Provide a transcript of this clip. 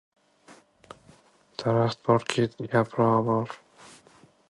Daraxt borki, yaprog‘i bor.